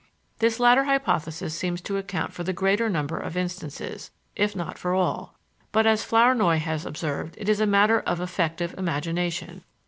This latter hypothesis seems to account for the greater number of instances, if not for all; but, as Flournoy has observed, it is a matter of "affective" imagination.